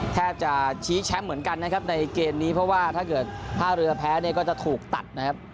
แทบจะชี้แชมป์เหมือนกันนะครับในเกมนี้เพราะว่าถ้าเกิดท่าเรือแพ้เนี่ยก็จะถูกตัดนะครับ